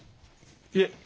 いえ。